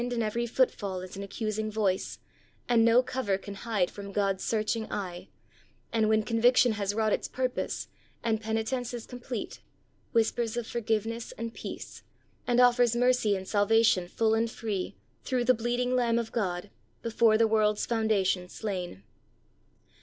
109 and every footfall is an accusing voice, and no cover can hide from God's searching eye, and when conviction has wrought its purpose, and penitence is complete, whispers of for giveness and peace, and offers mercy and salvation full and free through the bleeding Lamb of God, "before the world's founda tion slain."